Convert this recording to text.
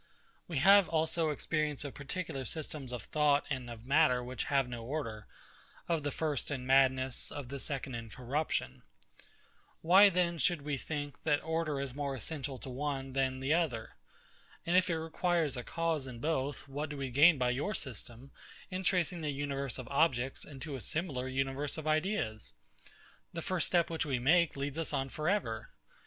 We have also experience of particular systems of thought and of matter which have no order; of the first in madness, of the second in corruption. Why, then, should we think, that order is more essential to one than the other? And if it requires a cause in both, what do we gain by your system, in tracing the universe of objects into a similar universe of ideas? The first step which we make leads us on for ever.